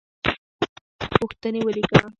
پوښتنې ولیکه.